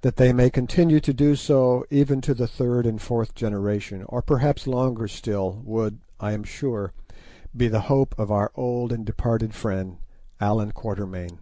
That they may continue so to do, even to the third and fourth generation, or perhaps longer still, would, I am sure, be the hope of our old and departed friend, Allan Quatermain.